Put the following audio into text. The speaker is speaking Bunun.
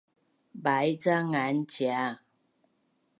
Bai ca ngan cia